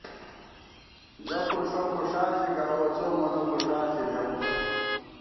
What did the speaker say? ژَہ فُوݭہ، فُوݭا ژِی گاوَہ، څو مونہ فُوݭا ݪی ژَہ